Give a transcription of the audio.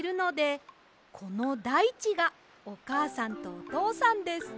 いちがおかあさんとおとうさんです。